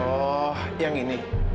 oh yang ini